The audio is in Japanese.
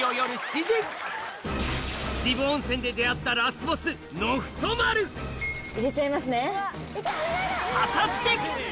渋温泉で出会ったラスボス入れちゃいますね。